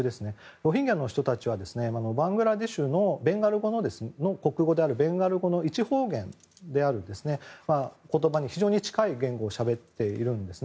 ロヒンギャの人たちはバングラデシュの国語であるベンガル語の一方言である言葉に非常に近い言葉をしゃべっています。